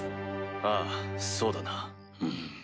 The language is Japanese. ああそうだな。